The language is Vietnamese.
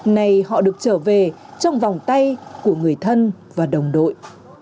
này họ được trở về trong vòng tay của người thân và đồng đội